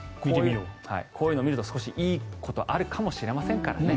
こういうのを見るといいことがあるかもしれませんからね。